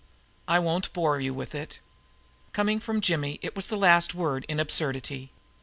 I won't bore you with it. Coming from Jimmy it was the last word in absurdity.